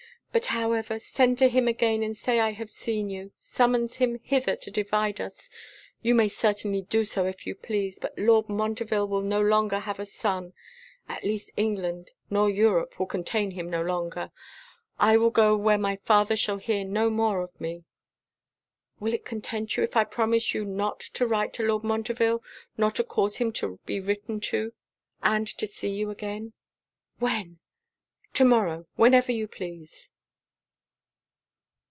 But however, send to him again to say I have seen you summons him hither to divide us you may certainly do so if you please; but Lord Montreville will no longer have a son; at least England, nor Europe, will contain him no longer I will go where my father shall hear no more of me.' 'Will it content you if I promise you not to write to Lord Montreville, nor to cause him to be written to; and to see you again?' 'When?' 'To morrow whenever you please.'